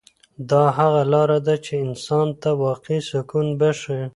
دا هغه لاره ده چې انسان ته واقعي سکون بښي.